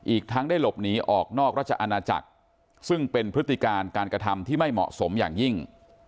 อีกทั้งได้หลบหนีออกนอกราชอาณาจักรซึ่งเป็นพฤติการการกระทำที่ไม่เหมาะสมอย่างยิ่ง